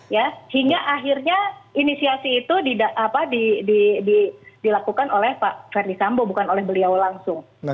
ya hingga akhirnya inisiasi itu dilakukan oleh pak ferdi sambo bukan oleh beliau langsung